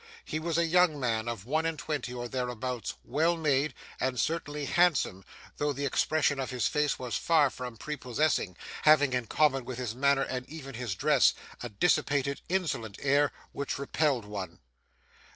He was a young man of one and twenty or thereabouts; well made, and certainly handsome, though the expression of his face was far from prepossessing, having in common with his manner and even his dress, a dissipated, insolent air which repelled one.